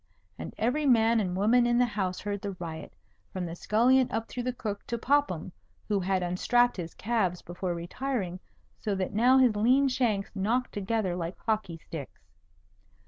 And every man and woman in the house heard the riot, from the scullion up through the cook to Popham, who had unstrapped his calves before retiring, so that now his lean shanks knocked together like hockey sticks.